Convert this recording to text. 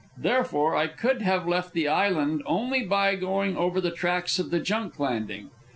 Therefore I could have left the island only by going over the tracks of the junk landing.